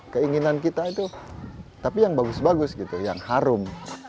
keinginan kita itu tapi yang bagus bagus gitu yang harum